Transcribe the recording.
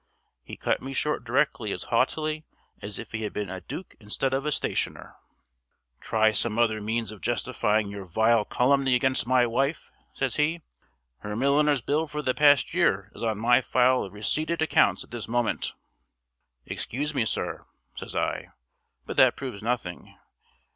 He cut me short directly as haughtily as if he had been a duke instead of a stationer. "Try some other means of justifying your vile calumny against my wife," says he. "Her milliner's bill for the past year is on my file of receipted accounts at this moment." "Excuse me, sir," says I, "but that proves nothing.